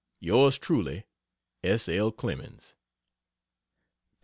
Yrs truly, S. L. CLEMENS.